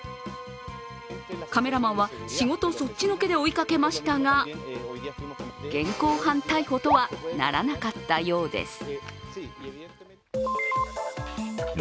カメラマンは仕事そっちのけで追いかけましたが現行犯逮捕とはならなかったようです。